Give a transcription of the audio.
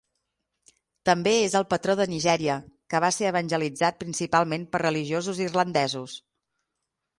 També és el patró de Nigèria que va ser evangelitzat principalment per religiosos irlandesos.